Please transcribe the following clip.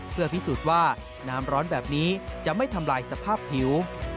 เพื่อพิสูจน์ว่าน้ำร้อนแบบนี้จะไม่ทำลายสภาพผิว